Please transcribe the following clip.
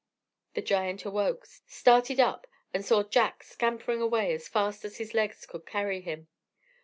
The giant awoke, started up, and saw Jack scampering away as fast as his legs could carry him.